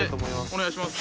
おねがいします。